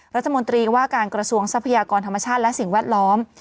รัฐมนตรีว่าการกระทรวงทรัพยากรธรรมชาติและสิ่งแวดล้อม